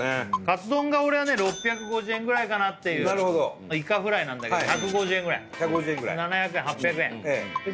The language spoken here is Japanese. カツ丼が俺はね６５０円ぐらいかなっていうイカフライなんだけど１５０円ぐらい７００円８００円ええ